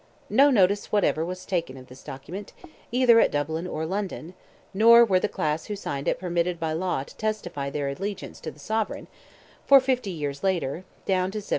No notice whatever was taken of this document, either at Dublin or London, nor were the class who signed it permitted by law to "testify their allegiance" to the sovereign, for fifty years later—down to 1778.